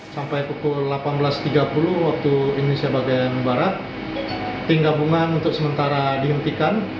sampai pukul delapan belas tiga puluh waktu indonesia bagian barat tim gabungan untuk sementara dihentikan